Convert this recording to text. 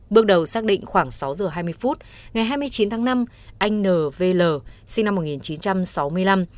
bước đầu xác định khoảng sáu giờ hai mươi phút ngày hai mươi chín tháng năm anh n v l sinh năm một nghìn chín trăm sáu mươi năm